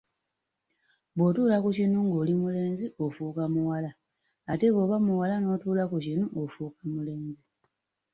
Bw’otuula ku kinu ng’oli mulenzi ofuuka muwala ate bw’oba muwala n’otuula ku kinu ofuuka mulenzi.